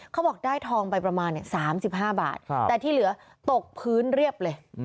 เขาบอกได้ทองไปประมาณ๓๕บาทแต่ที่เหลือตกพื้นเรียบเลย